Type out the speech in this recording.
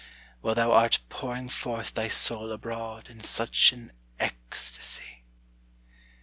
While thou art pouring forth thy soul abroad, In such an ecstasy!